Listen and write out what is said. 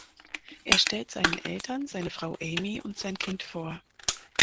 Er stellt seinen Eltern seine Frau Amy und sein Kind vor.